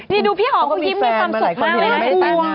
นี่ดูพี่หอมก็ยิ้มในความสุขมากเลย